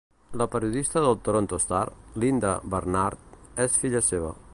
La periodista del "Toronto Star" Linda Barnard és filla seva.